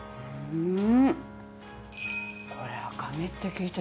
うん！